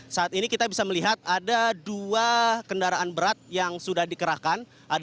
saat ini kita bisa melihat ada dua kendaraan berat yang sudah dikerahkan